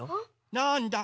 なんだ？